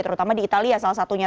terutama di italia salah satunya